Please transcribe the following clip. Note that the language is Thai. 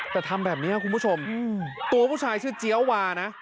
แต่ทำแบบนี้คุณผู้ชมตัวผู้ชายชื่อเจี๊ยววานะ